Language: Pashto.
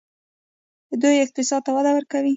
دوی اقتصاد ته وده ورکوي.